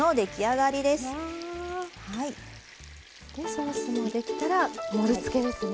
ソースもできたら盛りつけですね。